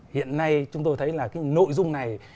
hiện nay chúng tôi thấy là cái nội dung này